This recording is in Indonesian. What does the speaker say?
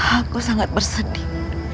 aku sangat bersedih